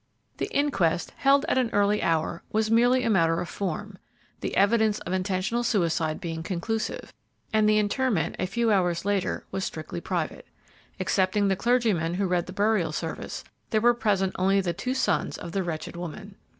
The inquest, held at an early hour, was merely a matter of form, the evidence of intentional suicide being conclusive, and the interment, a few hours later, was strictly private. Excepting the clergyman who read the burial service, there were present only the two sons of the wretched woman.